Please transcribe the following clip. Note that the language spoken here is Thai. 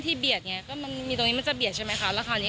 เบียดไงก็มันมีตรงนี้มันจะเบียดใช่ไหมคะแล้วคราวนี้